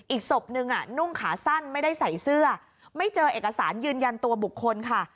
อีกศพนึงนุ่งขาสั้นไม่ได้ใส่เสื้อไม่เจอเอกสารยืนยันตัวบุคคลค่ะ